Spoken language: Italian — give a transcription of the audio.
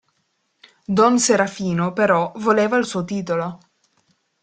Don Serafino, però, voleva il suo titolo.